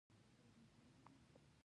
تولید او ښکار هم په ګډه ترسره کیده.